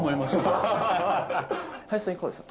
林さん、いかがですか。